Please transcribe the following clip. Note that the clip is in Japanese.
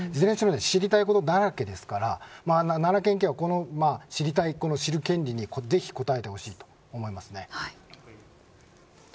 知りたいことだらけですから奈良県警は知りたい、この知る権利にぜひ答えてほしいと思いますね。